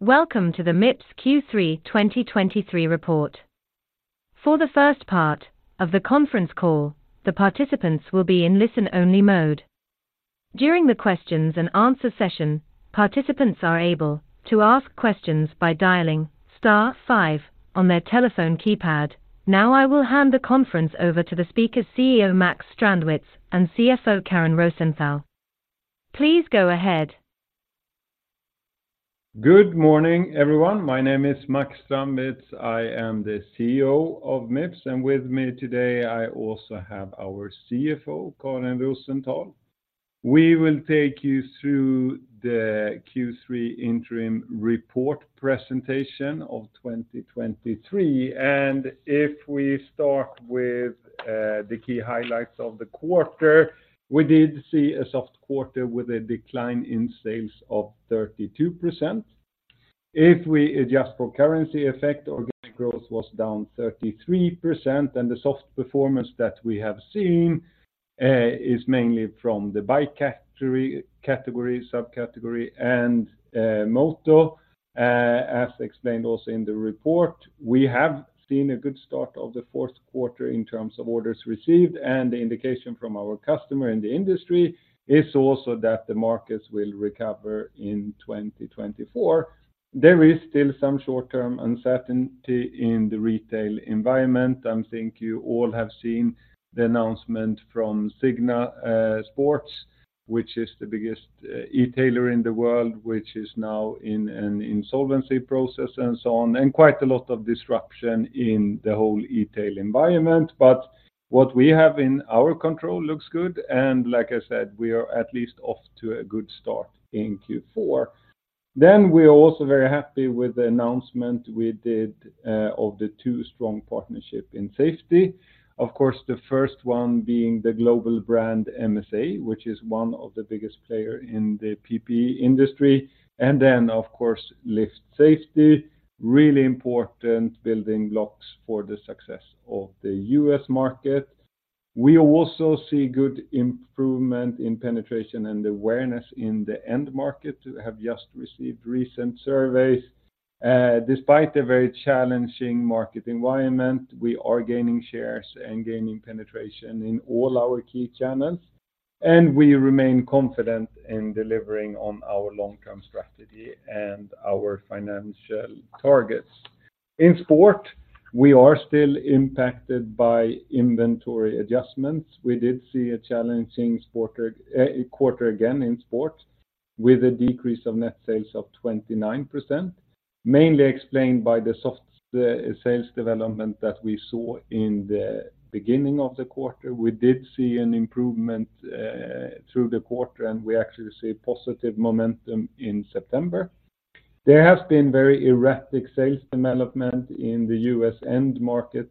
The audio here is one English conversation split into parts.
Welcome to the Mips Q3 2023 report. For the first part of the conference call, the participants will be in listen-only mode. During the questions and answer session, participants are able to ask questions by dialing star five on their telephone keypad. Now, I will hand the conference over to the speaker, CEO Max Strandwitz, and CFO, Karin Rosenthal. Please go ahead. Good morning, everyone. My name is Max Strandwitz. I am the CEO of Mips, and with me today, I also have our CFO, Karin Rosenthal. We will take you through the Q3 interim report presentation of 2023. If we start with the key highlights of the quarter, we did see a soft quarter with a decline in sales of 32%. If we adjust for currency effect, organic growth was down 33%, and the soft performance that we have seen is mainly from the bike category, subcategory, and Moto. As explained also in the report, we have seen a good start of the fourth quarter in terms of orders received, and the indication from our customer in the industry is also that the markets will recover in 2024. There is still some short-term uncertainty in the retail environment. I think you all have seen the announcement from Signa Sports United, which is the biggest e-tailer in the world, which is now in an insolvency process and so on, and quite a lot of disruption in the whole e-tail environment. But what we have in our control looks good, and like I said, we are at least off to a good start in Q4. Then we are also very happy with the announcement we did of the two strong partnership in safety. Of course, the first one being the global brand MSA, which is one of the biggest player in the PPE industry, and then, of course, LIFT Safety, really important building blocks for the success of the U.S. market. We also see good improvement in penetration and awareness in the end market. We have just received recent surveys. Despite the very challenging market environment, we are gaining shares and gaining penetration in all our key channels, and we remain confident in delivering on our long-term strategy and our financial targets. In sport, we are still impacted by inventory adjustments. We did see a challenging quarter again in sport, with a decrease of net sales of 29%, mainly explained by the soft sales development that we saw in the beginning of the quarter. We did see an improvement through the quarter, and we actually see positive momentum in September. There has been very erratic sales development in the US end market,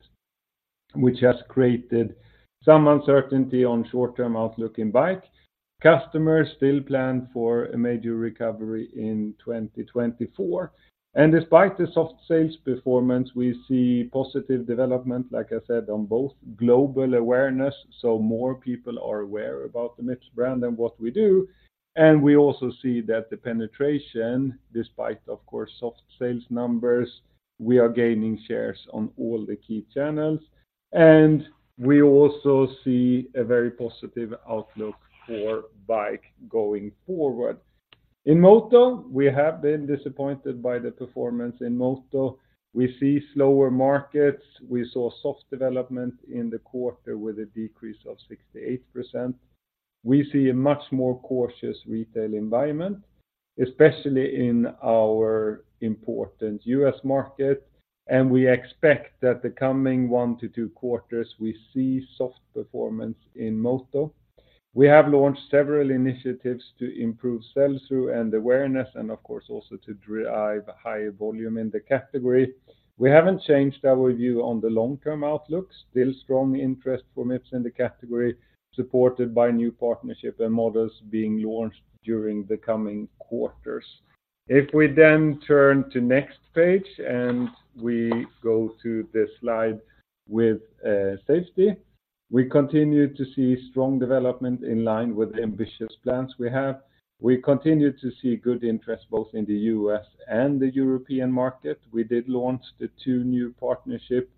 which has created some uncertainty on short-term outlook in bike. Customers still plan for a major recovery in 2024, and despite the soft sales performance, we see positive development, like I said, on both global awareness, so more people are aware about the Mips brand and what we do. We also see that the penetration, despite, of course, soft sales numbers, we are gaining shares on all the key channels, and we also see a very positive outlook for bike going forward. In Moto, we have been disappointed by the performance in Moto. We see slower markets. We saw soft development in the quarter with a decrease of 68%. We see a much more cautious retail environment, especially in our important U.S. market, and we expect that the coming 1-2 quarters, we see soft performance in Moto. We have launched several initiatives to improve sell-through and awareness, and of course, also to drive higher volume in the category. We haven't changed our view on the long-term outlook. Still strong interest for Mips in the category, supported by new partnership and models being launched during the coming quarters. If we then turn to next page and we go to the slide with safety, we continue to see strong development in line with the ambitious plans we have. We continue to see good interest, both in the U.S. and the European market. We did launch the two new partnerships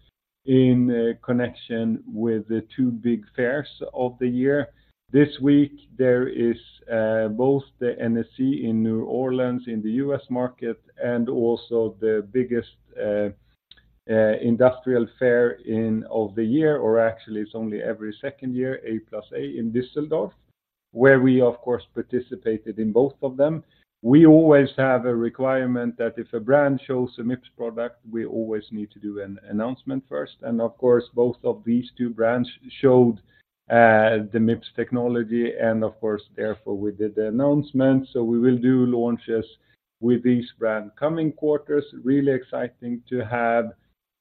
in connection with the two big fairs of the year. This week, there is both the NSC in New Orleans, in the US market, and also the biggest industrial fair in-of the year, or actually, it's only every second year, A+A in Düsseldorf, where we, of course, participated in both of them. We always have a requirement that if a brand shows a Mips product, we always need to do an announcement first. And of course, both of these two brands showed the Mips technology, and of course, therefore, we did the announcement. So we will do launches with these brand coming quarters. Really exciting to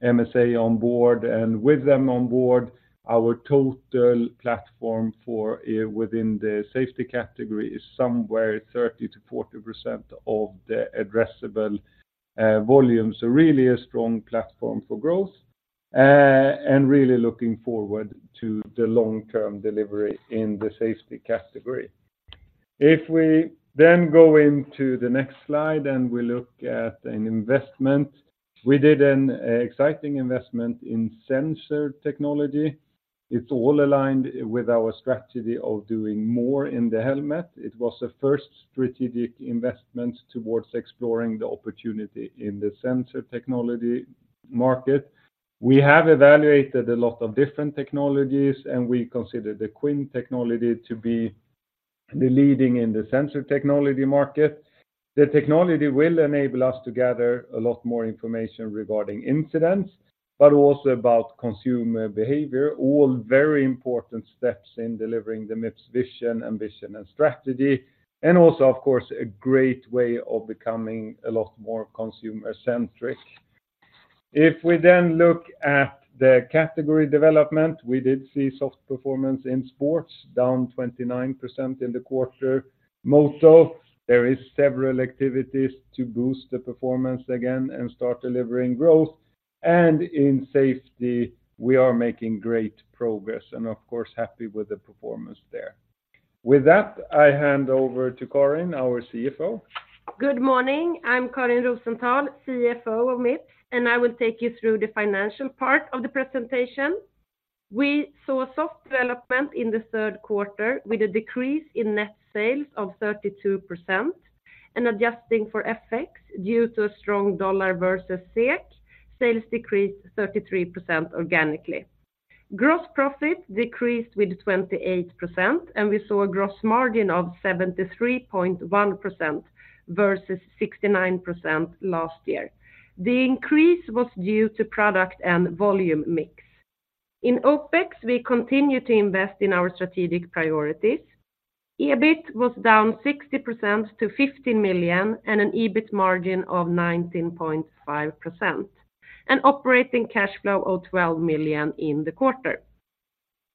have MSA on board, and with them on board, our total platform for within the safety category is somewhere 30%-40% of the addressable volume. So really a strong platform for growth. And really looking forward to the long-term delivery in the safety category. If we then go into the next slide, and we look at an investment, we did an exciting investment in sensor technology. It's all aligned with our strategy of doing more in the helmet. It was the first strategic investment towards exploring the opportunity in the sensor technology market. We have evaluated a lot of different technologies, and we consider the Quin technology to be the leading in the sensor technology market. The technology will enable us to gather a lot more information regarding incidents, but also about consumer behavior. All very important steps in delivering the Mips's vision, ambition, and strategy, and also, of course, a great way of becoming a lot more consumer-centric. If we then look at the category development, we did see soft performance in sports, down 29% in the quarter. Moto, there is several activities to boost the performance again and start delivering growth. In safety, we are making great progress and, of course, happy with the performance there. With that, I hand over to Karin, our CFO. Good morning. I'm Karin Rosenthal, CFO of Mips, and I will take you through the financial part of the presentation. We saw soft development in the third quarter with a decrease in net sales of 32%, and adjusting for FX due to a strong dollar versus SEK, sales decreased 33% organically. Gross profit decreased with 28%, and we saw a gross margin of 73.1% versus 69% last year. The increase was due to product and volume mix. In OpEx, we continued to invest in our strategic priorities. EBIT was down 60% to 15 million and an EBIT margin of 19.5%, and operating cash flow of 12 million in the quarter.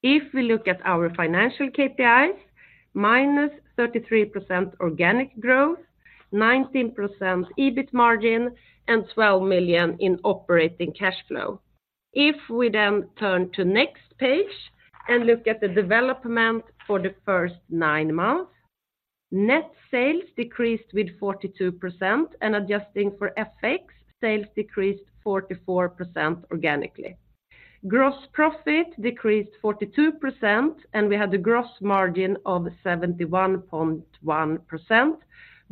If we look at our financial KPIs, -33% organic growth, 19% EBIT margin, and 12 million in operating cash flow. If we then turn to next page and look at the development for the first nine months, net sales decreased with 42%, and adjusting for FX, sales decreased 44% organically. Gross profit decreased 42%, and we had a gross margin of 71.1%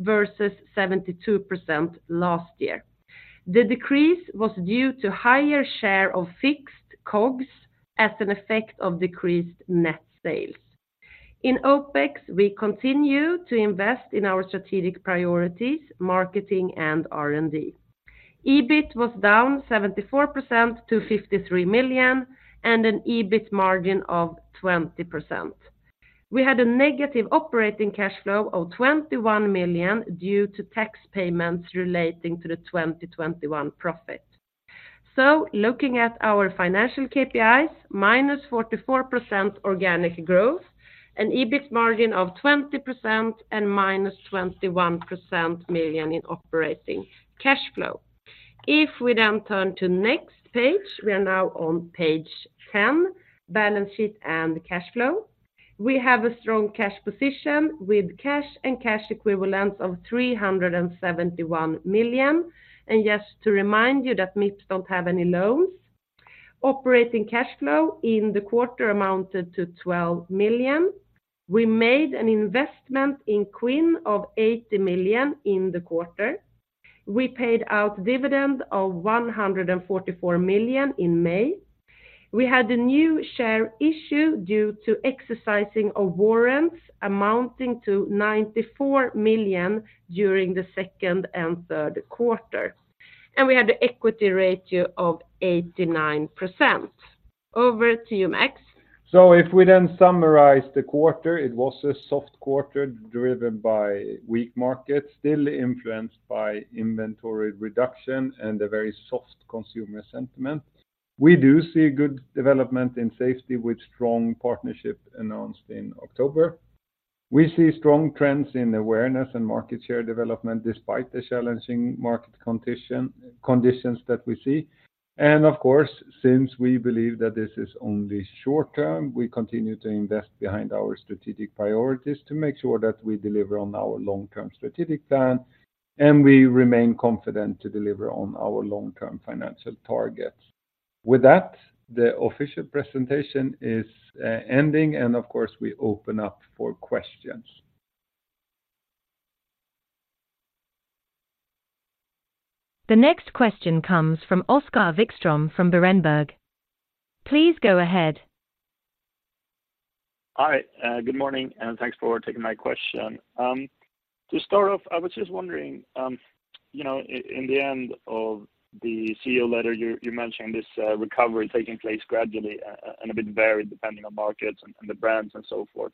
versus 72% last year. The decrease was due to higher share of fixed COGS as an effect of decreased net sales. In OpEx, we continue to invest in our strategic priorities, marketing, and R&D. EBIT was down 74% to 53 million and an EBIT margin of 20%. We had a negative operating cash flow of 21 million due to tax payments relating to the 2021 profit. So looking at our financial KPIs, -44% organic growth, an EBIT margin of 20%, and minus 21 million in operating cash flow. If we then turn to next page, we are now on page 10, balance sheet and cash flow. We have a strong cash position with cash and cash equivalents of 371 million. And just to remind you that Mips don't have any loans. Operating cash flow in the quarter amounted to 12 million. We made an investment in Quin of 80 million in the quarter. We paid out dividend of 144 million in May. We had a new share issue due to exercising of warrants amounting to 94 million during the second and third quarter, and we had an equity ratio of 89%. Over to you, Max. If we then summarize the quarter, it was a soft quarter driven by weak markets, still influenced by inventory reduction and a very soft consumer sentiment. We do see good development in safety, with strong partnership announced in October. We see strong trends in awareness and market share development despite the challenging market condition, conditions that we see. And of course, since we believe that this is only short term, we continue to invest behind our strategic priorities to make sure that we deliver on our long-term strategic plan, and we remain confident to deliver on our long-term financial targets. With that, the official presentation is ending, and of course, we open up for questions. The next question comes from Oskar Wikström from Berenberg. Please go ahead. Hi, good morning, and thanks for taking my question. To start off, I was just wondering, you know, in the end of the CEO letter, you're mentioning this recovery taking place gradually and a bit varied depending on markets and the brands and so forth.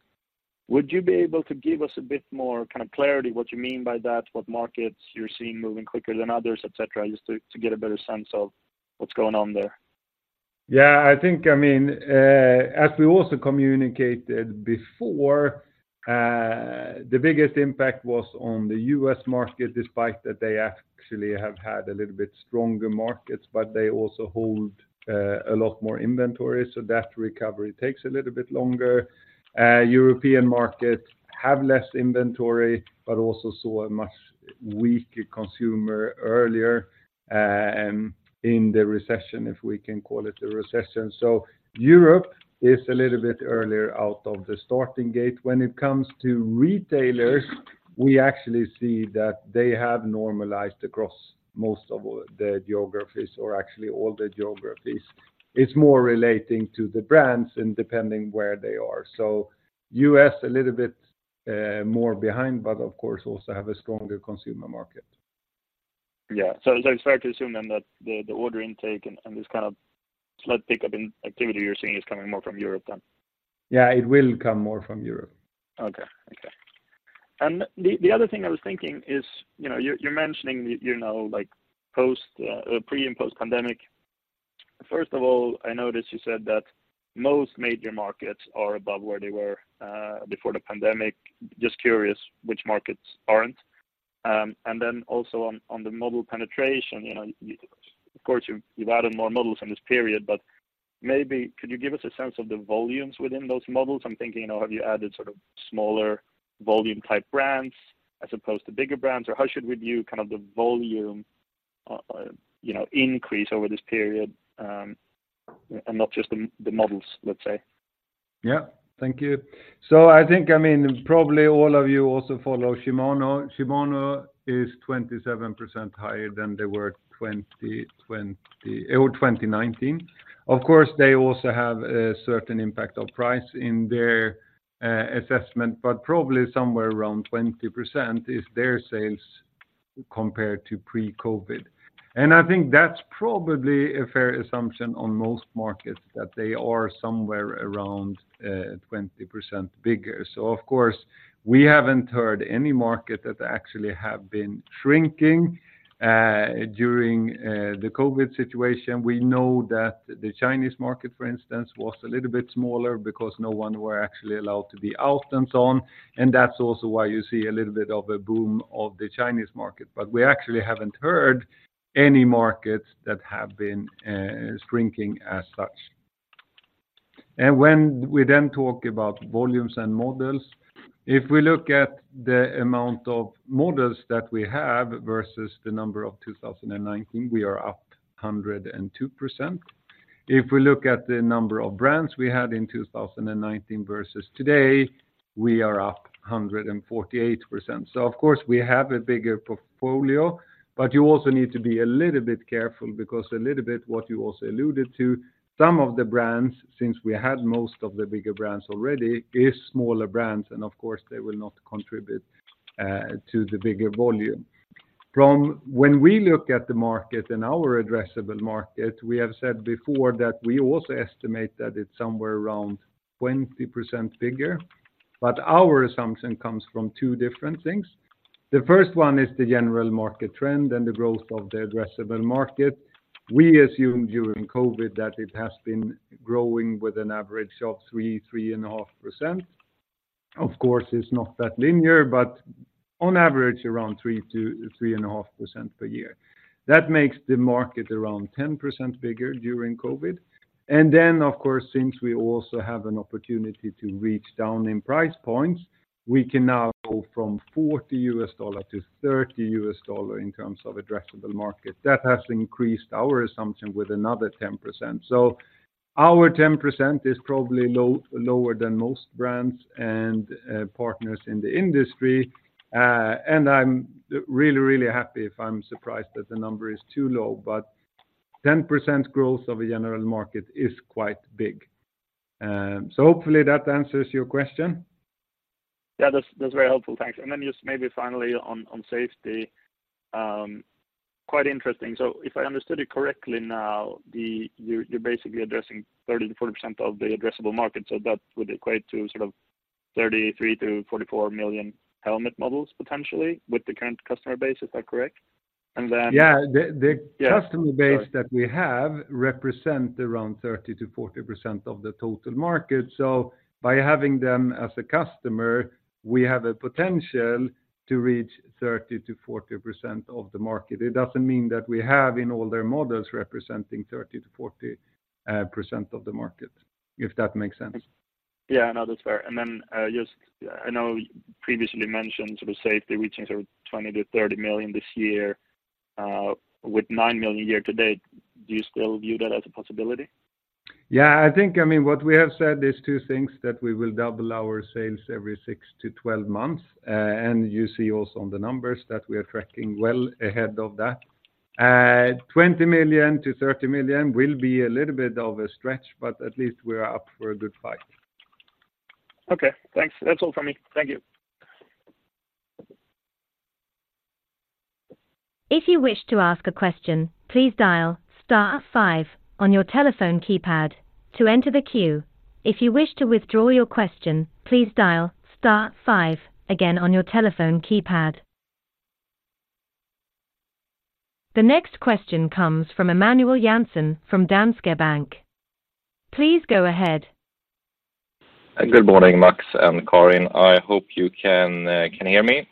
Would you be able to give us a bit more kind of clarity, what you mean by that, what markets you're seeing moving quicker than others, et cetera, just to get a better sense of what's going on there? Yeah, I think, I mean, as we also communicated before. The biggest impact was on the U.S. market, despite that they actually have had a little bit stronger markets, but they also hold a lot more inventory, so that recovery takes a little bit longer. European market have less inventory, but also saw a much weaker consumer earlier in the recession, if we can call it a recession. So Europe is a little bit earlier out of the starting gate. When it comes to retailers, we actually see that they have normalized across most of all the geographies, or actually all the geographies. It's more relating to the brands and depending where they are. So U.S., a little bit more behind, but of course, also have a stronger consumer market. Yeah. So it's fair to assume then that the order intake and this kind of slight pickup in activity you're seeing is coming more from Europe then? Yeah, it will come more from Europe. Okay. Okay. And the other thing I was thinking is, you know, you're mentioning, you know, like post, pre and post-pandemic. First of all, I noticed you said that most major markets are above where they were before the pandemic. Just curious, which markets aren't? And then also on the model penetration, you know, of course, you've added more models in this period, but maybe could you give us a sense of the volumes within those models? I'm thinking, you know, have you added sort of smaller volume-type brands as opposed to bigger brands? Or how should we view kind of the volume increase over this period, and not just the models, let's say? Yeah. Thank you. So I think, I mean, probably all of you also follow Shimano. Shimano is 27% higher than they were 2020 or 2019. Of course, they also have a certain impact of price in their assessment, but probably somewhere around 20% is their sales compared to pre-COVID. And I think that's probably a fair assumption on most markets, that they are somewhere around 20% bigger. So of course, we haven't heard any market that actually have been shrinking during the COVID situation. We know that the Chinese market, for instance, was a little bit smaller because no one were actually allowed to be out and so on, and that's also why you see a little bit of a boom of the Chinese market. But we actually haven't heard any markets that have been shrinking as such. And when we then talk about volumes and models, if we look at the amount of models that we have versus the number of 2019, we are up 102%. If we look at the number of brands we had in 2019 versus today, we are up 148%. So of course, we have a bigger portfolio, but you also need to be a little bit careful because a little bit what you also alluded to, some of the brands, since we had most of the bigger brands already, is smaller brands, and of course, they will not contribute to the bigger volume. From when we look at the market and our addressable market, we have said before that we also estimate that it's somewhere around 20% bigger, but our assumption comes from two different things. The first one is the general market trend and the growth of the addressable market. We assumed during COVID that it has been growing with an average of 3, 3.5%. Of course, it's not that linear, but on average, around 3%-3.5% per year. That makes the market around 10% bigger during COVID. And then, of course, since we also have an opportunity to reach down in price points, we can now go from $40 to $30 in terms of addressable market. That has increased our assumption with another 10%. So our 10% is probably lower than most brands and partners in the industry. And I'm really, really happy if I'm surprised that the number is too low, but 10% growth of a general market is quite big. So hopefully that answers your question. Yeah, that's, that's very helpful. Thanks. And then just maybe finally on, on safety, quite interesting. So if I understood it correctly now, you're, you're basically addressing 30%-40% of the addressable market, so that would equate to sort of 33-44 million helmet models, potentially, with the current customer base. Is that correct? And then- Yeah, the- Yeah. Sorry... customer base that we have represent around 30%-40% of the total market. So by having them as a customer, we have a potential to reach 30%-40% of the market. It doesn't mean that we have in all their models representing 30%-40% of the market, if that makes sense. Yeah, no, that's fair. And then, just I know you previously mentioned sort of safety reaching sort of 20-30 million this year, with 9 million year to date. Do you still view that as a possibility? Yeah, I think, I mean, what we have said is two things, that we will double our sales every 6-12 months. And you see also on the numbers that we are tracking well ahead of that. 20 million-30 million will be a little bit of a stretch, but at least we are up for a good fight. Okay, thanks. That's all from me. Thank you. If you wish to ask a question, please dial star five on your telephone keypad to enter the queue. If you wish to withdraw your question, please dial star five again on your telephone keypad. The next question comes from Emanuel Jansson from Danske Bank. Please go ahead. Good morning, Max and Karin. I hope you can hear me.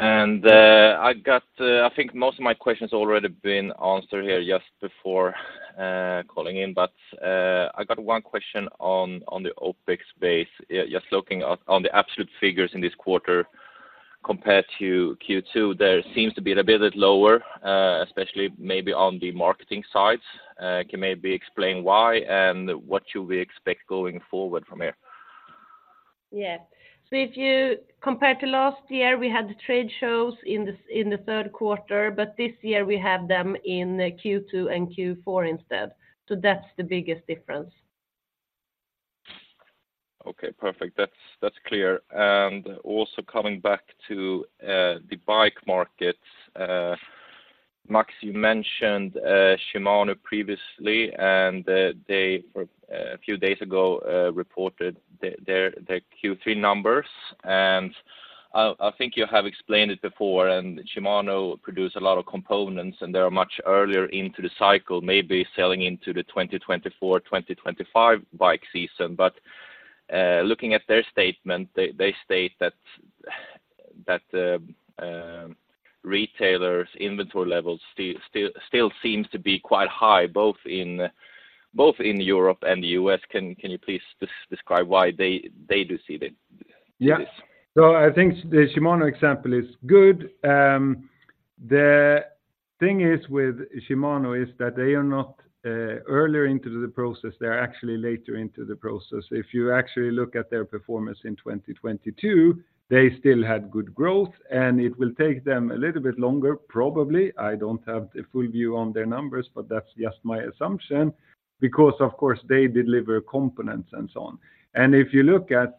I got, I think most of my questions already been answered here just before calling in. But I got one question on the OpEx basis. Just looking at the absolute figures in this quarter compared to Q2, there seems to be a bit lower, especially maybe on the marketing side. Can you maybe explain why, and what should we expect going forward from here? Yeah. So if you compare to last year, we had the trade shows in the third quarter, but this year we have them in Q2 and Q4 instead. So that's the biggest difference. Okay, perfect. That's, that's clear. And also coming back to the bike markets, Max, you mentioned Shimano previously, and they for a few days ago reported their Q3 numbers. And I think you have explained it before, and Shimano produce a lot of components, and they are much earlier into the cycle, maybe selling into the 2024, 2025 bike season. But looking at their statement, they state that the retailers inventory levels still seems to be quite high, both in Europe and the US. Can you please describe why they do see it? Yeah. So I think the Shimano example is good. The thing is with Shimano is that they are not earlier into the process, they are actually later into the process. If you actually look at their performance in 2022, they still had good growth, and it will take them a little bit longer, probably. I don't have the full view on their numbers, but that's just my assumption, because, of course, they deliver components and so on. And if you look at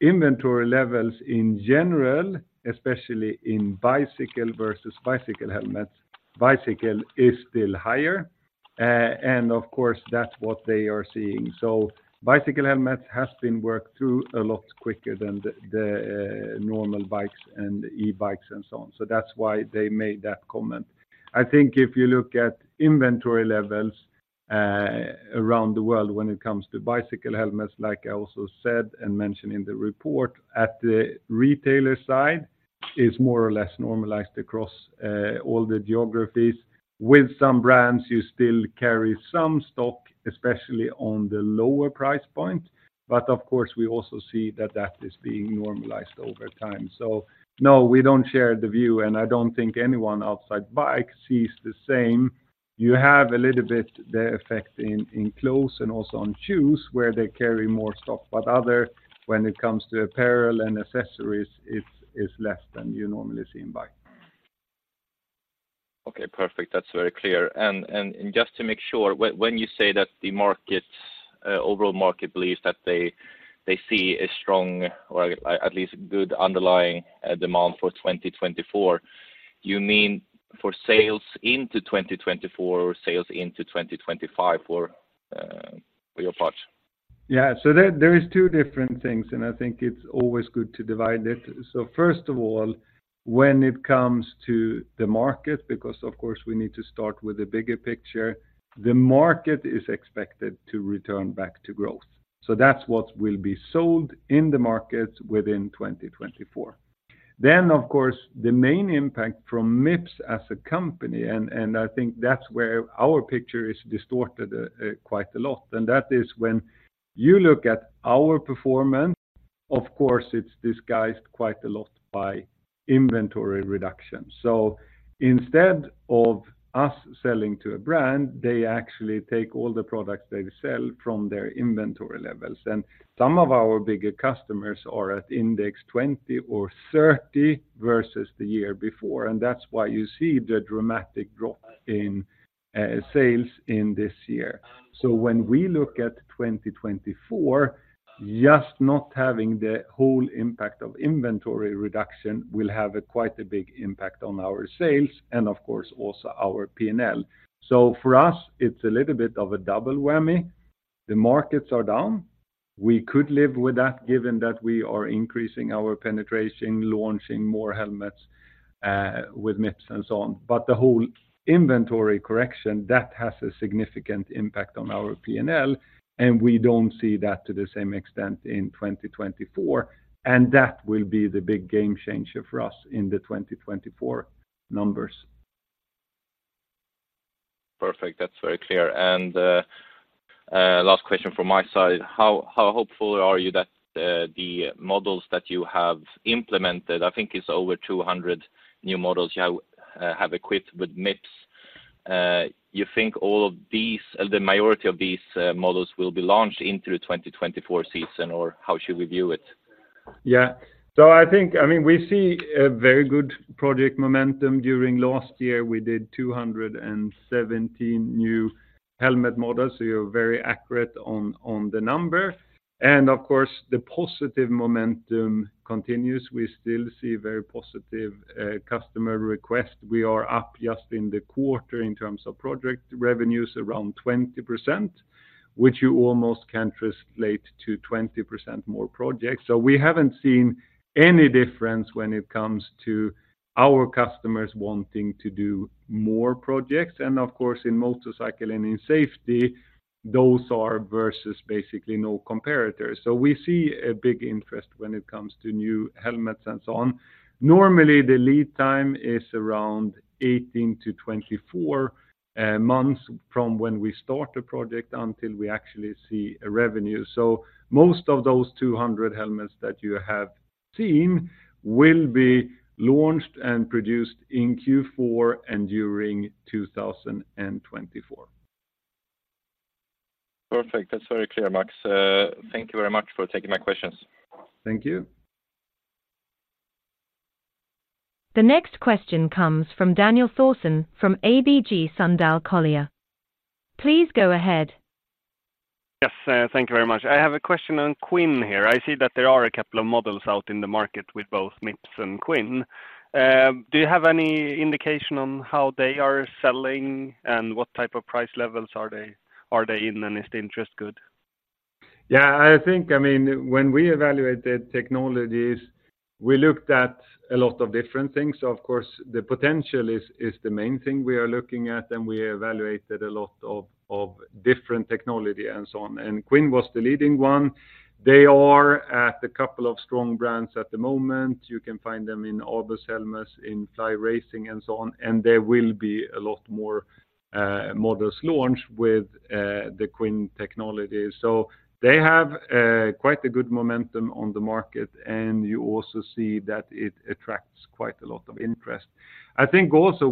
inventory levels in general, especially in bicycle versus bicycle helmets, bicycle is still higher, and of course, that's what they are seeing. So bicycle helmets has been worked through a lot quicker than the normal bikes and e-bikes and so on. So that's why they made that comment. I think if you look at inventory levels around the world when it comes to bicycle helmets, like I also said and mentioned in the report, at the retailer side, is more or less normalized across all the geographies. With some brands, you still carry some stock, especially on the lower price point, but of course, we also see that that is being normalized over time. So no, we don't share the view, and I don't think anyone outside bike sees the same. You have a little bit the effect in clothes and also on shoes, where they carry more stock, but other, when it comes to apparel and accessories, it's less than you normally see in bike. Okay, perfect. That's very clear. And just to make sure, when you say that the markets overall market believes that they see a strong or at least good underlying demand for 2024, you mean for sales into 2024 or sales into 2025 for your parts? Yeah. So there, there is two different things, and I think it's always good to divide it. So first of all, when it comes to the market, because, of course, we need to start with the bigger picture, the market is expected to return back to growth. So that's what will be sold in the markets within 2024. Then, of course, the main impact from Mips as a company, and, and I think that's where our picture is distorted quite a lot, and that is when you look at our performance, of course, it's disguised quite a lot by inventory reduction. So instead of us selling to a brand, they actually take all the products they sell from their inventory levels. And some of our bigger customers are at index 20 or 30 versus the year before, and that's why you see the dramatic drop in sales in this year. So when we look at 2024, just not having the whole impact of inventory reduction will have a quite a big impact on our sales and, of course, also our P&L. So for us, it's a little bit of a double whammy. The markets are down. We could live with that, given that we are increasing our penetration, launching more helmets with Mips and so on. But the whole inventory correction, that has a significant impact on our P&L, and we don't see that to the same extent in 2024, and that will be the big game changer for us in the 2024 numbers. Perfect. That's very clear. And last question from my side, how hopeful are you that the models that you have implemented, I think it's over 200 new models you have equipped with Mips, you think all of these, the majority of these models will be launched into the 2024 season, or how should we view it? Yeah. So I think, I mean, we see a very good project momentum. During last year, we did 217 new helmet models, so you're very accurate on, on the number. And of course, the positive momentum continues. We still see very positive customer request. We are up just in the quarter in terms of project revenues, around 20%, which you almost can translate to 20% more projects. So we haven't seen any difference when it comes to our customers wanting to do more projects. And of course, in motorcycle and in safety, those are versus basically no comparators. So we see a big interest when it comes to new helmets and so on. Normally, the lead time is around 18-24 months from when we start a project until we actually see a revenue. So most of those 200 helmets that you have-... team will be launched and produced in Q4 and during 2024. Perfect. That's very clear, Max. Thank you very much for taking my questions. Thank you. The next question comes from Daniel Thorsson from ABG Sundal Collier. Please go ahead. Yes, thank you very much. I have a question on Quin here. I see that there are a couple of models out in the market with both Mips and Quin. Do you have any indication on how they are selling, and what type of price levels are they, are they in, and is the interest good? Yeah, I think, I mean, when we evaluated technologies, we looked at a lot of different things. Of course, the potential is the main thing we are looking at, and we evaluated a lot of different technology and so on. And Quin was the leading one. They are at a couple of strong brands at the moment. You can find them in ABUS helmets, in Fly Racing, and so on. And there will be a lot more models launched with the Quin technology. So they have quite a good momentum on the market, and you also see that it attracts quite a lot of interest. I think also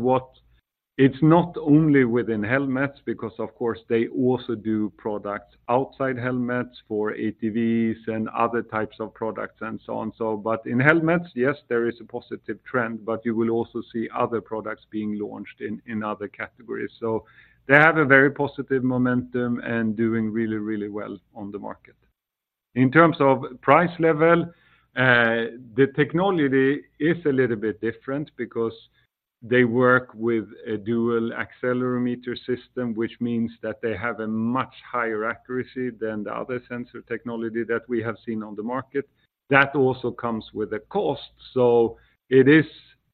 what—it's not only within helmets, because, of course, they also do products outside helmets for ATVs and other types of products and so on. So, but in helmets, yes, there is a positive trend, but you will also see other products being launched in other categories. So they have a very positive momentum and doing really, really well on the market. In terms of price level, the technology is a little bit different because they work with a dual accelerometer system, which means that they have a much higher accuracy than the other sensor technology that we have seen on the market. That also comes with a cost, so it is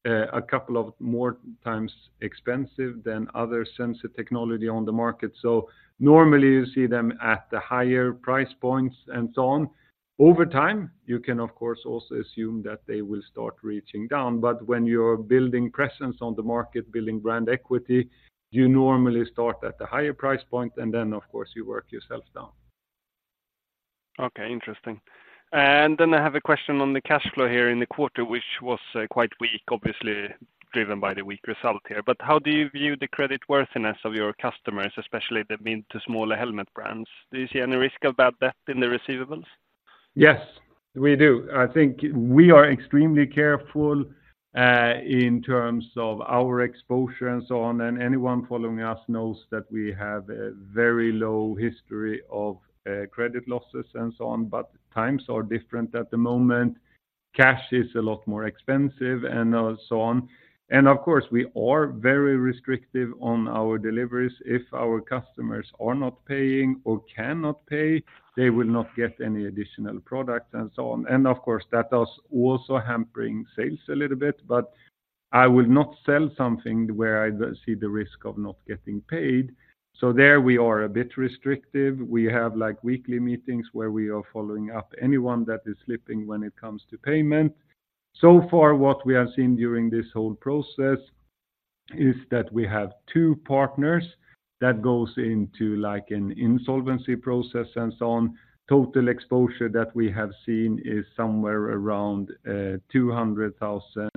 a couple of more times expensive than other sensor technology on the market. So normally, you see them at the higher price points and so on. Over time, you can, of course, also assume that they will start reaching down, but when you're building presence on the market, building brand equity, you normally start at a higher price point, and then, of course, you work yourself down. Okay, interesting. And then I have a question on the cash flow here in the quarter, which was quite weak, obviously driven by the weak result here. But how do you view the creditworthiness of your customers, especially the mid to smaller helmet brands? Do you see any risk of bad debt in the receivables? Yes, we do. I think we are extremely careful in terms of our exposure and so on, and anyone following us knows that we have a very low history of credit losses and so on, but times are different at the moment. Cash is a lot more expensive and so on. Of course, we are very restrictive on our deliveries. If our customers are not paying or cannot pay, they will not get any additional product and so on. Of course, that is also hampering sales a little bit, but I will not sell something where I see the risk of not getting paid. So there we are a bit restrictive. We have, like, weekly meetings where we are following up anyone that is slipping when it comes to payment. So far, what we have seen during this whole process is that we have two partners that goes into like an insolvency process and so on. Total exposure that we have seen is somewhere around $200,000,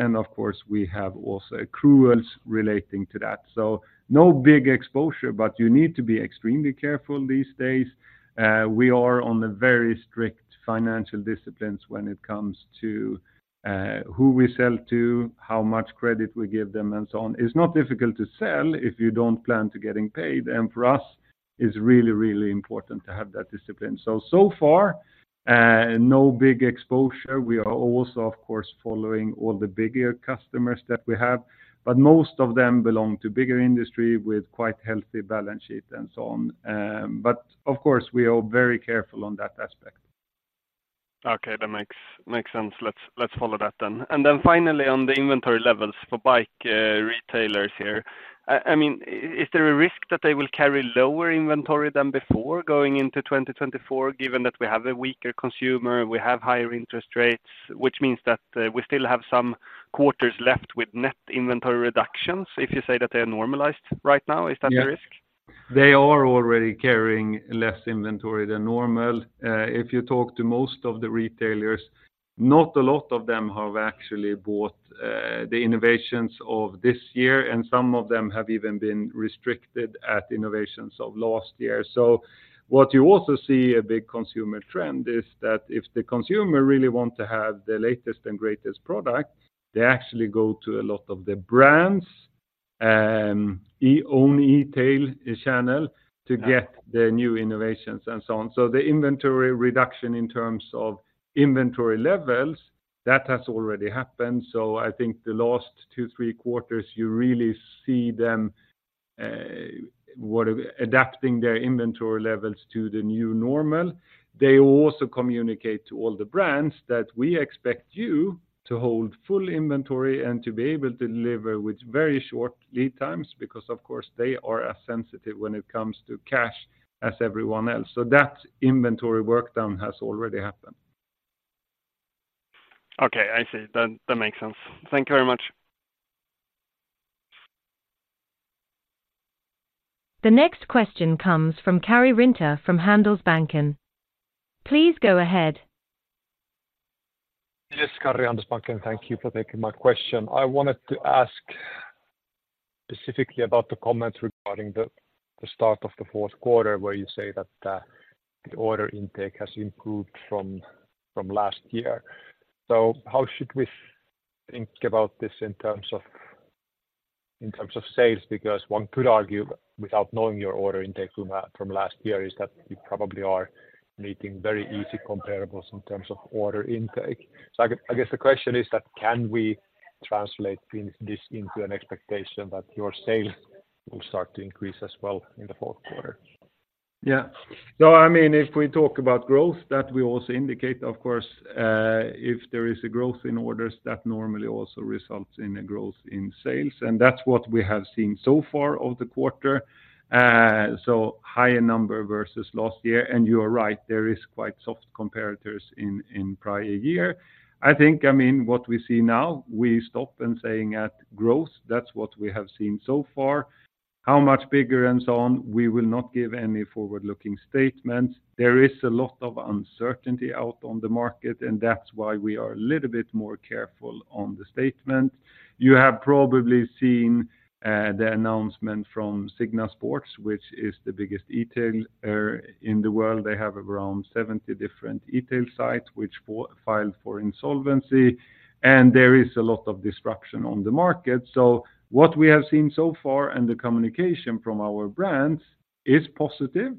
and of course, we have also accruals relating to that. So no big exposure, but you need to be extremely careful these days. We are on a very strict financial disciplines when it comes to who we sell to, how much credit we give them, and so on. It's not difficult to sell if you don't plan to getting paid, and for us, it's really, really important to have that discipline. So, so far, no big exposure. We are also, of course, following all the bigger customers that we have, but most of them belong to bigger industry with quite healthy balance sheet and so on. But of course, we are very careful on that aspect. Okay, that makes sense. Let's follow that then. And then finally, on the inventory levels for bike retailers here, I mean, is there a risk that they will carry lower inventory than before going into 2024, given that we have a weaker consumer, we have higher interest rates, which means that we still have some quarters left with net inventory reductions, if you say that they are normalized right now, is that a risk? Yes. They are already carrying less inventory than normal. If you talk to most of the retailers, not a lot of them have actually bought the innovations of this year, and some of them have even been restricted at innovations of last year. So what you also see a big consumer trend is that if the consumer really want to have the latest and greatest product, they actually go to a lot of the brands own e-tail channel to get the new innovations and so on. So the inventory reduction in terms of inventory levels, that has already happened. So I think the last two, three quarters, you really see them adapting their inventory levels to the new normal. They will also communicate to all the brands that we expect you to hold full inventory and to be able to deliver with very short lead times, because, of course, they are as sensitive when it comes to cash as everyone else. So that inventory work down has already happened. Okay, I see. That, that makes sense. Thank you very much. The next question comes from Karri Rinta from Handelsbanken. Please go ahead. Yes, Karri, Handelsbanken. Thank you for taking my question. I wanted to ask specifically about the comment regarding the start of the fourth quarter, where you say that the order intake has improved from last year. So how should we think about this in terms of sales? Because one could argue, without knowing your order intake from last year, that you probably are meeting very easy comparables in terms of order intake. So I guess the question is that, can we translate this into an expectation that your sales will start to increase as well in the fourth quarter? Yeah. So I mean, if we talk about growth, that will also indicate, of course, if there is a growth in orders, that normally also results in a growth in sales, and that's what we have seen so far of the quarter. So higher number versus last year, and you are right, there is quite soft comparators in, in prior year. I think, I mean, what we see now, we stop and saying at growth, that's what we have seen so far. How much bigger and so on, we will not give any forward-looking statements. There is a lot of uncertainty out on the market, and that's why we are a little bit more careful on the statement. You have probably seen, the announcement from SIGNA Sports, which is the biggest e-tailer in the world. They have around 70 different e-tail sites, which filed for insolvency, and there is a lot of disruption on the market. So what we have seen so far, and the communication from our brands is positive,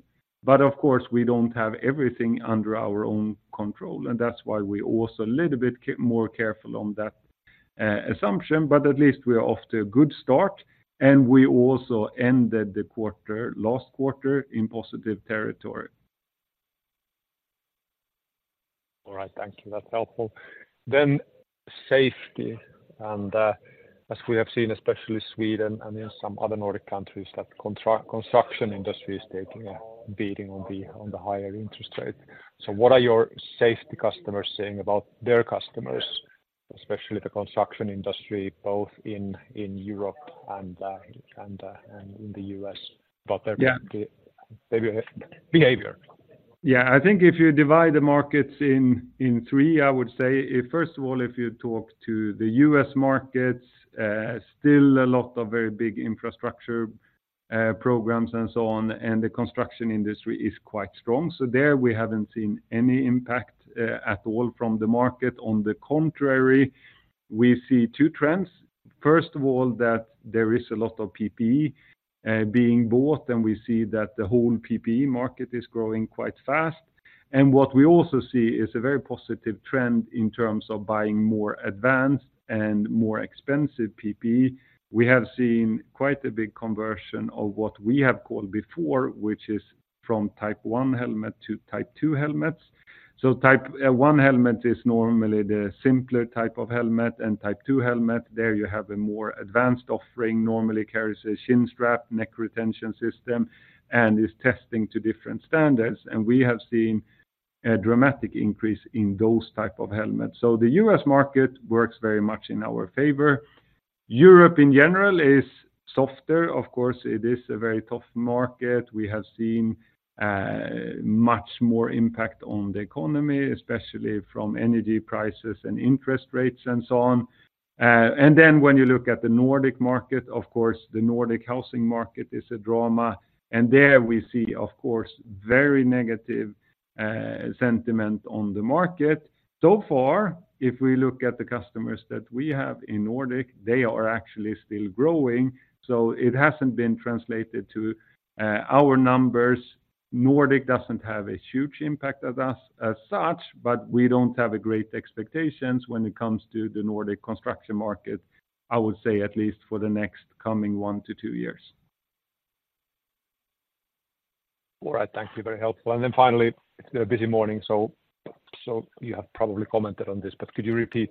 but of course, we don't have everything under our own control, and that's why we're also a little bit more careful on that assumption. But at least we are off to a good start, and we also ended the quarter, last quarter in positive territory. All right. Thank you. That's helpful. Then, safety, and, as we have seen, especially Sweden and in some other Nordic countries, that construction industry is taking a beating on the, on the higher interest rate. So what are your safety customers saying about their customers, especially the construction industry, both in Europe and in the U.S., about their- Yeah... behavior? Yeah. I think if you divide the markets in three, I would say, if first of all, if you talk to the U.S. markets, still a lot of very big infrastructure programs and so on, and the construction industry is quite strong. So there, we haven't seen any impact at all from the market. On the contrary, we see two trends. First of all, that there is a lot of PPE being bought, and we see that the whole PPE market is growing quite fast. And what we also see is a very positive trend in terms of buying more advanced and more expensive PPE. We have seen quite a big conversion of what we have called before, which is from Type I helmet to Type II helmets. So Type I helmet is normally the simpler type of helmet, and Type II helmet, there you have a more advanced offering, normally carries a chin strap, neck retention system, and is testing to different standards. We have seen a dramatic increase in those type of helmets. The U.S. market works very much in our favor. Europe in general is softer. Of course, it is a very tough market. We have seen much more impact on the economy, especially from energy prices and interest rates and so on. Then when you look at the Nordic market, of course, the Nordic housing market is a drama, and there we see, of course, very negative sentiment on the market. So far, if we look at the customers that we have in Nordic, they are actually still growing, so it hasn't been translated to our numbers. Nordic doesn't have a huge impact as us, as such, but we don't have a great expectations when it comes to the Nordic construction market, I would say, at least for the next coming 1-2 years. All right. Thank you. Very helpful. And then finally, it's been a busy morning, so you have probably commented on this, but could you repeat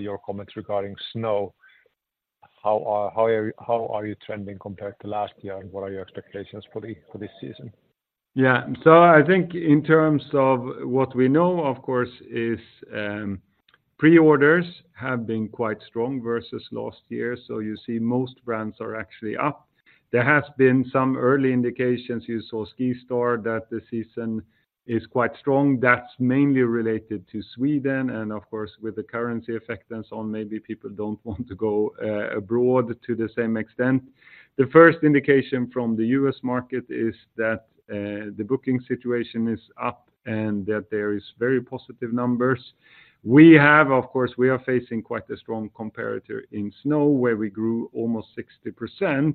your comments regarding snow? How are you trending compared to last year, and what are your expectations for this season? Yeah. So I think in terms of what we know, of course, is, pre-orders have been quite strong versus last year. So you see most brands are actually up. There has been some early indications, you saw SkiStar, that the season is quite strong. That's mainly related to Sweden, and of course, with the currency effect and so on, maybe people don't want to go abroad to the same extent. The first indication from the US market is that the booking situation is up and that there is very positive numbers. We have, of course, we are facing quite a strong comparator in snow, where we grew almost 60%,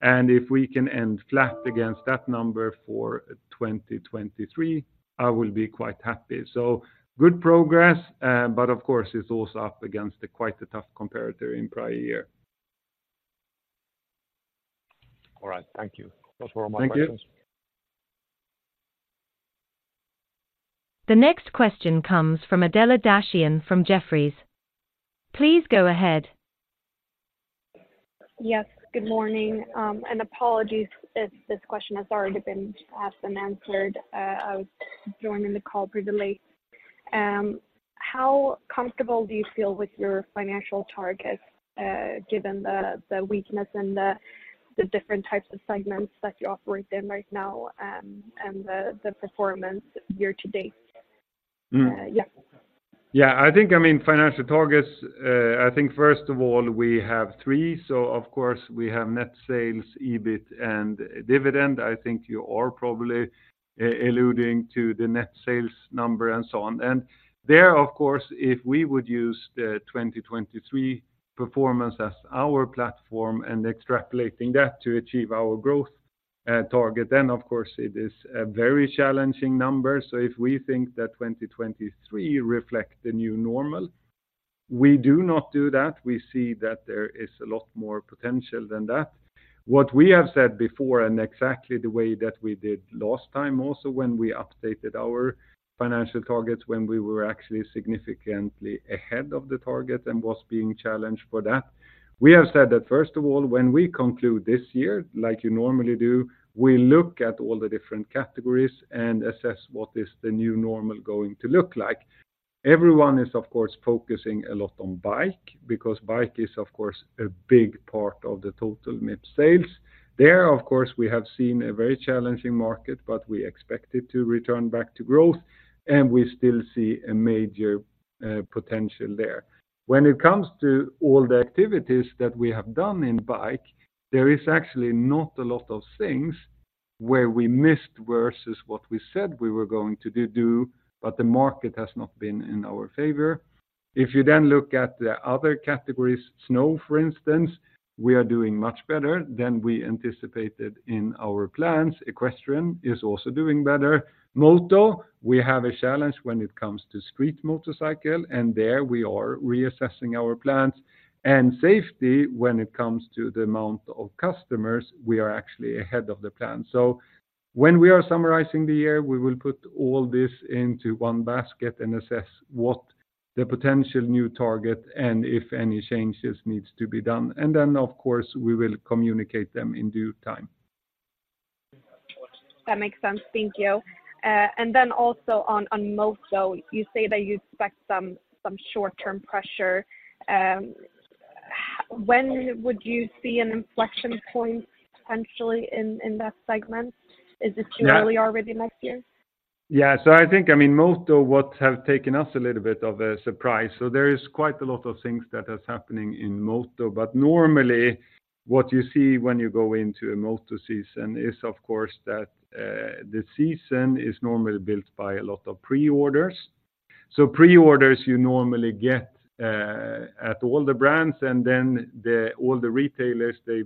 and if we can end flat against that number for 2023, I will be quite happy. So good progress, but of course, it's also up against a quite a tough comparator in prior year. All right. Thank you. Those were all my questions. Thank you. The next question comes from Adela Dashian, from Jefferies. Please go ahead. Yes, good morning, and apologies if this question has already been asked and answered. I was joining the call pretty late. How comfortable do you feel with your financial targets, given the weakness and the different types of segments that you operate in right now, and the performance year to date? Yeah. Yeah, I think, I mean, financial targets, I think first of all, we have three. So of course, we have net sales, EBIT and dividend. I think you are probably alluding to the net sales number and so on. And there, of course, if we would use the 2023 performance as our platform and extrapolating that to achieve our growth target, then of course it is a very challenging number. So if we think that 2023 reflect the new normal, we do not do that. We see that there is a lot more potential than that. What we have said before and exactly the way that we did last time, also, when we updated our financial targets, when we were actually significantly ahead of the target and was being challenged for that. We have said that first of all, when we conclude this year, like you normally do, we look at all the different categories and assess what is the new normal going to look like. Everyone is, of course, focusing a lot on bike, because bike is, of course, a big part of the total Mips sales. There, of course, we have seen a very challenging market, but we expect it to return back to growth, and we still see a major potential there. When it comes to all the activities that we have done in bike, there is actually not a lot of things where we missed versus what we said we were going to do, but the market has not been in our favor. If you then look at the other categories, snow, for instance, we are doing much better than we anticipated in our plans. Equestrian is also doing better. Moto, we have a challenge when it comes to street motorcycle, and there we are reassessing our plans. Safety, when it comes to the amount of customers, we are actually ahead of the plan. When we are summarizing the year, we will put all this into one basket and assess what the potential new target and if any changes needs to be done. Then, of course, we will communicate them in due time. That makes sense. Thank you. And then also on, on Moto, you say that you expect some, some short-term pressure. When would you see an inflection point potentially in, in that segment? Is it too early already next year? Yeah. So I think, I mean, Moto, what have taken us a little bit of a surprise. So there is quite a lot of things that is happening in Moto, but normally, what you see when you go into a Moto season is, of course, that, the season is normally built by a lot of pre-orders. So pre-orders, you normally get, at all the brands, and then the, all the retailers, they,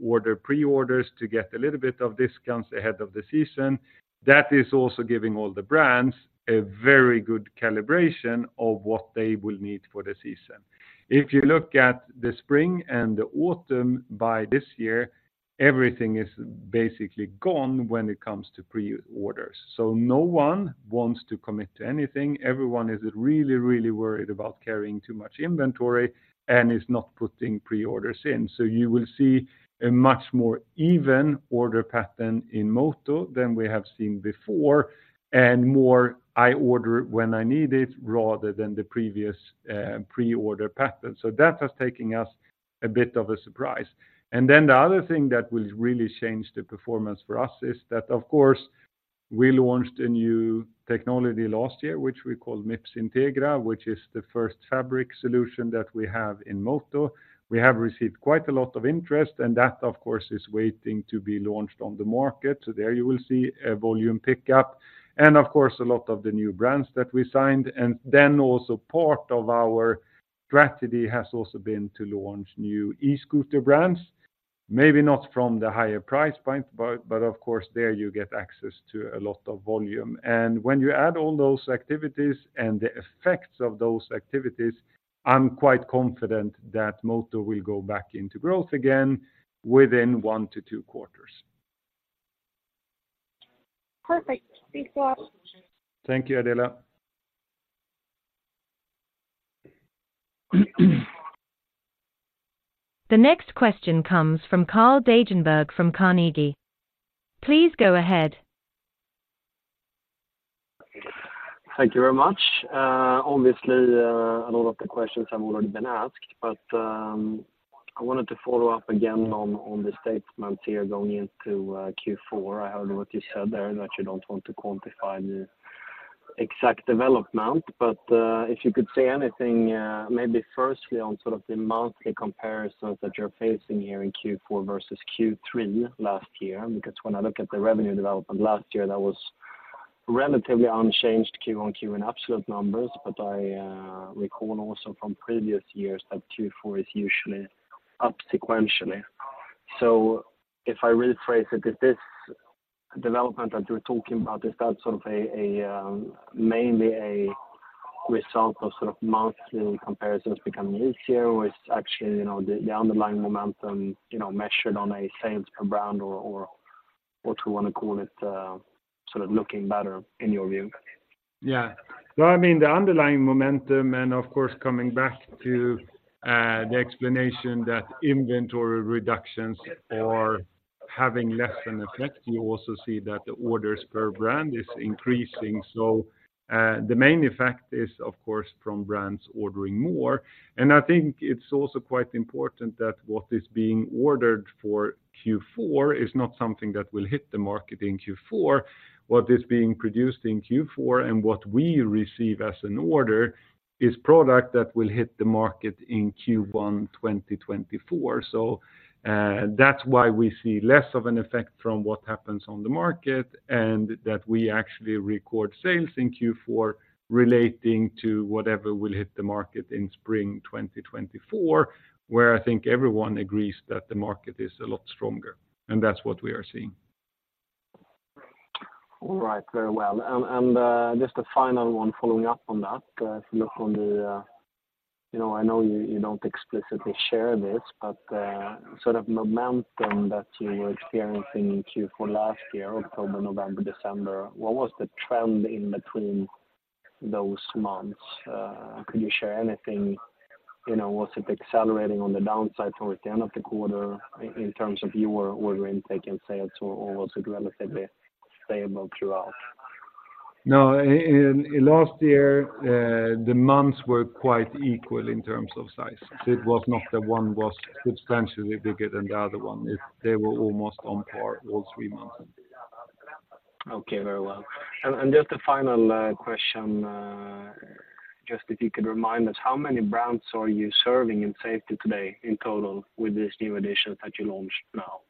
order pre-orders to get a little bit of discounts ahead of the season. That is also giving all the brands a very good calibration of what they will need for the season. If you look at the spring and the autumn by this year, everything is basically gone when it comes to pre-orders. So no one wants to commit to anything. Everyone is really, really worried about carrying too much inventory and is not putting pre-orders in. So you will see a much more even order pattern in Moto than we have seen before, and more, I order it when I need it, rather than the previous, pre-order pattern. So that has taken us a bit of a surprise. And then the other thing that will really change the performance for us is that, of course, we launched a new technology last year, which we call Mips Integra, which is the first fabric solution that we have in Moto. We have received quite a lot of interest, and that, of course, is waiting to be launched on the market. So there you will see a volume pickup, and of course, a lot of the new brands that we signed. And then also part of our strategy has also been to launch new e-scooter brands, maybe not from the higher price point, but, of course, there you get access to a lot of volume. And when you add all those activities and the effects of those activities, I'm quite confident that Moto will go back into growth again within 1-2 quarters. Perfect. Thanks, Bob. Thank you, Adela. The next question comes from Carl Deijenberg, from Carnegie. Please go ahead. Thank you very much. Obviously, a lot of the questions have already been asked, but I wanted to follow up again on the statements here going into Q4. I heard what you said there, that you don't want to quantify the exact development, but if you could say anything, maybe firstly on sort of the monthly comparisons that you're facing here in Q4 versus Q3 last year, because when I look at the revenue development last year, that was relatively unchanged Q on Q in absolute numbers, but I recall also from previous years that Q4 is usually up sequentially. So if I rephrase it, is this development that you're talking about, is that sort of mainly a result of sort of monthly comparisons becoming easier, or is actually, you know, the underlying momentum, you know, measured on a sales per brand or what you want to call it, sort of looking better in your view? Yeah. Well, I mean, the underlying momentum, and of course, coming back to the explanation that inventory reductions having less an effect, you also see that the orders per brand is increasing. So, the main effect is, of course, from brands ordering more. And I think it's also quite important that what is being ordered for Q4 is not something that will hit the market in Q4. What is being produced in Q4 and what we receive as an order is product that will hit the market in Q1 2024. So, that's why we see less of an effect from what happens on the market, and that we actually record sales in Q4 relating to whatever will hit the market in spring 2024, where I think everyone agrees that the market is a lot stronger, and that's what we are seeing. All right. Very well. And just a final one following up on that. If you look on the, you know, I know you, you don't explicitly share this, but sort of momentum that you were experiencing in Q4 last year, October, November, December, what was the trend in between those months? Could you share anything? You know, was it accelerating on the downside towards the end of the quarter in terms of your order intake and sales, or was it relatively stable throughout? No, in last year, the months were quite equal in terms of size. It was not that one was substantially bigger than the other one. They were almost on par, all three months. Okay, very well. And just a final question, just if you could remind us, how many brands are you serving in safety today in total with this new addition that you launched now?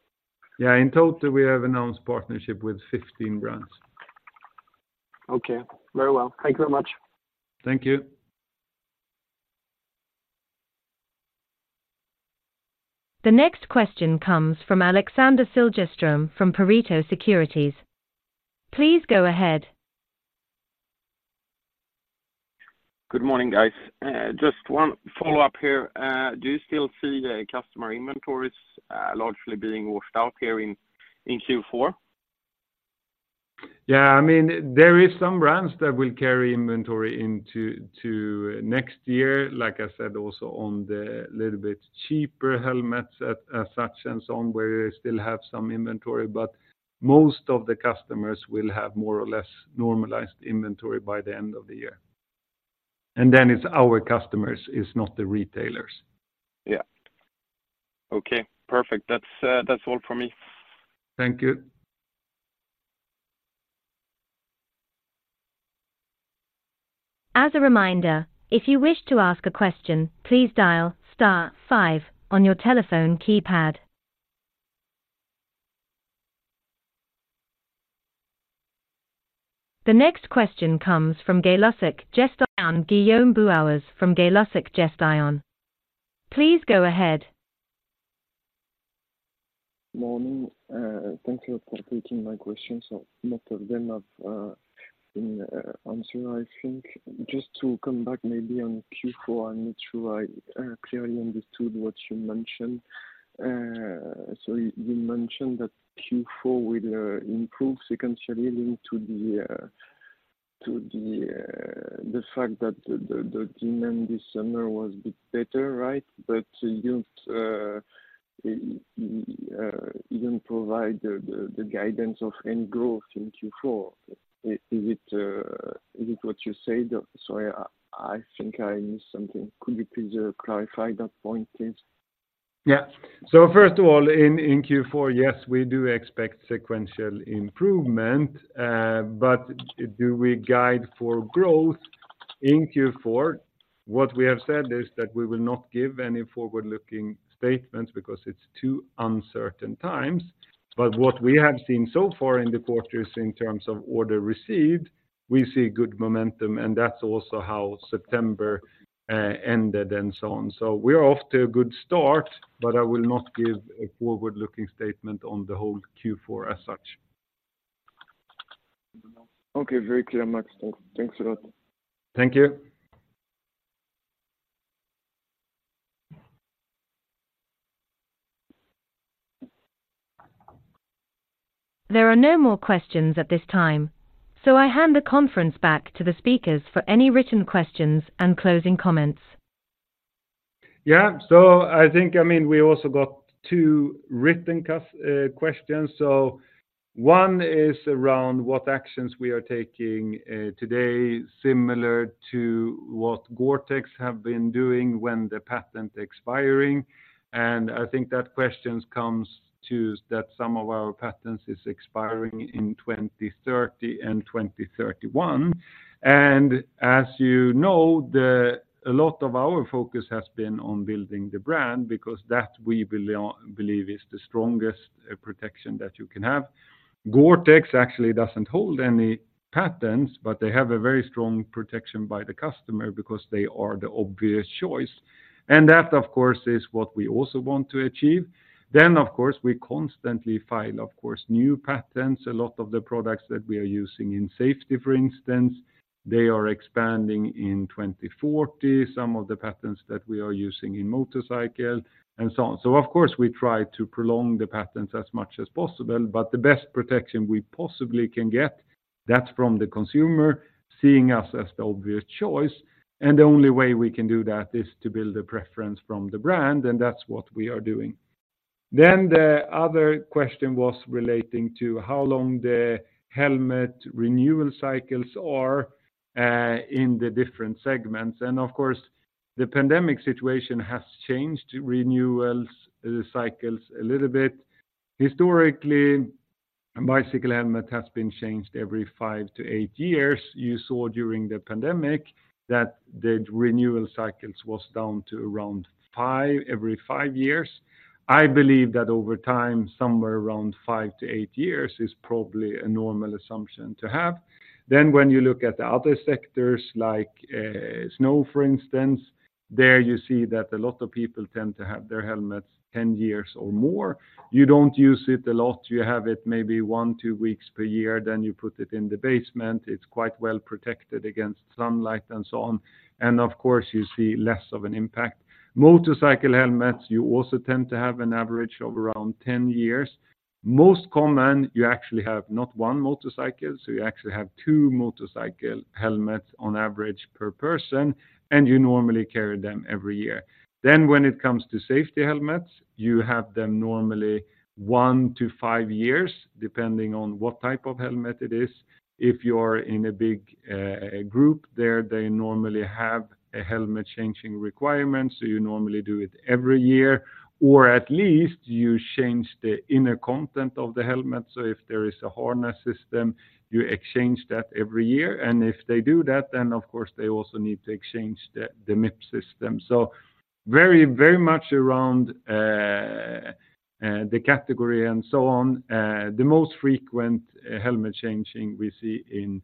Yeah, in total, we have announced partnership with 15 brands. Okay. Very well. Thank you very much. Thank you. The next question comes from Alexander Siljeström from Pareto Securities. Please go ahead. Good morning, guys. Just one follow-up here. Do you still see the customer inventories largely being washed out here in Q4? Yeah, I mean, there is some brands that will carry inventory into to next year. Like I said, also on the little bit cheaper helmets at as such, and so on, where they still have some inventory, but most of the customers will have more or less normalized inventory by the end of the year. And then it's our customers, it's not the retailers. Yeah. Okay, perfect. That's, that's all for me. Thank you. As a reminder, if you wish to ask a question, please dial star five on your telephone keypad. The next question comes from La Financière de l'Échiquier, Guillaume Buurs from La Financière de l'Échiquier. Please go ahead. Morning. Thank you for taking my question. So most of them have been answered, I think. Just to come back, maybe on Q4, I'm not sure I clearly understood what you mentioned. So you mentioned that Q4 will improve sequentially into the fact that the demand this summer was a bit better, right? But you didn't provide the guidance of end growth in Q4. Is it what you said? Sorry, I think I missed something. Could you please clarify that point, please? Yeah. So first of all, in Q4, yes, we do expect sequential improvement, but do we guide for growth in Q4? What we have said is that we will not give any forward-looking statements because it's two uncertain times. But what we have seen so far in the quarters in terms of order received, we see good momentum, and that's also how September ended, and so on. So we are off to a good start, but I will not give a forward-looking statement on the whole Q4 as such. Okay. Very clear, Max. Thanks a lot. Thank you. There are no more questions at this time, so I hand the conference back to the speakers for any written questions and closing comments. Yeah. So I think, I mean, we also got two written questions. So one is around what actions we are taking today, similar to what Gore-Tex have been doing when the patent expiring. And I think that questions comes to, is that some of our patents is expiring in 2030 and 2031. And as you know, a lot of our focus has been on building the brand because that we believe is the strongest protection that you can have. Gore-Tex actually doesn't hold any patents, but they have a very strong protection by the customer because they are the obvious choice. And that, of course, is what we also want to achieve. Then, of course, we constantly file new patents. A lot of the products that we are using in safety, for instance, they are expanding in 2040, some of the patents that we are using in motorcycle, and so on. So of course, we try to prolong the patents as much as possible, but the best protection we possibly can get... That's from the consumer seeing us as the obvious choice, and the only way we can do that is to build a preference from the brand, and that's what we are doing. Then the other question was relating to how long the helmet renewal cycles are, in the different segments. And of course, the pandemic situation has changed renewals, the cycles a little bit. Historically, a bicycle helmet has been changed every 5-8 years. You saw during the pandemic that the renewal cycles was down to around 5 - every 5 years. I believe that over time, somewhere around 5-8 years is probably a normal assumption to have. Then when you look at the other sectors, like, snow, for instance, there you see that a lot of people tend to have their helmets 10 years or more. You don't use it a lot. You have it maybe 1-2 weeks per year, then you put it in the basement. It's quite well protected against sunlight and so on, and of course, you see less of an impact. Motorcycle helmets, you also tend to have an average of around 10 years. Most common, you actually have not one motorcycle, so you actually have 2 motorcycle helmets on average per person, and you normally carry them every year. Then when it comes to safety helmets, you have them normally 1-5 years, depending on what type of helmet it is. If you're in a big group, there they normally have a helmet changing requirement, so you normally do it every year, or at least you change the inner content of the helmet. So if there is a harness system, you exchange that every year, and if they do that, then of course, they also need to exchange the, the MIPS system. So very, very much around the category and so on, the most frequent helmet changing we see in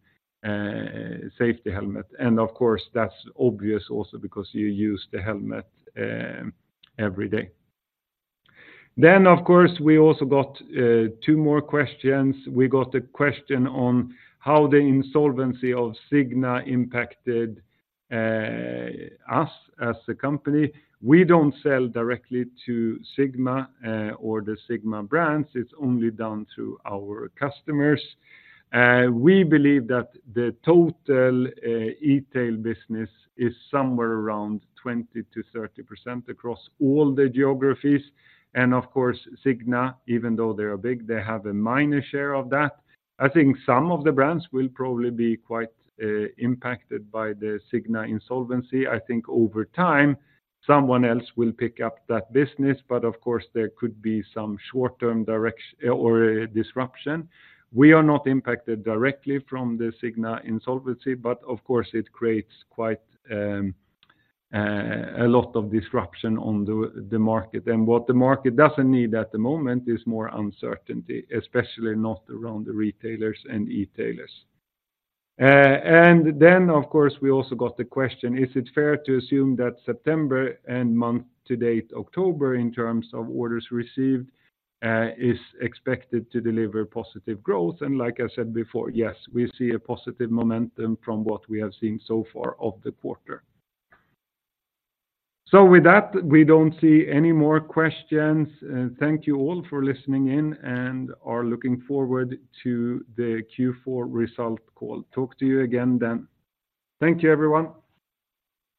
safety helmet. And of course, that's obvious also because you use the helmet every day. Then, of course, we also got two more questions. We got a question on how the insolvency of SIGNA impacted us as a company. We don't sell directly to SIGNA or the SIGNA brands. It's only done through our customers. We believe that the total e-tail business is somewhere around 20%-30% across all the geographies, and of course, Signa, even though they are big, they have a minor share of that. I think some of the brands will probably be quite impacted by the Signa insolvency. I think over time, someone else will pick up that business, but of course, there could be some short-term direct or disruption. We are not impacted directly from the Signa insolvency, but of course, it creates quite a lot of disruption on the market. What the market doesn't need at the moment is more uncertainty, especially not around the retailers and e-tailers. And then, of course, we also got the question: Is it fair to assume that September and month to date, October, in terms of orders received, is expected to deliver positive growth? Like I said before, yes, we see a positive momentum from what we have seen so far of the quarter. So with that, we don't see any more questions. Thank you all for listening in and are looking forward to the Q4 results call. Talk to you again then. Thank you, everyone!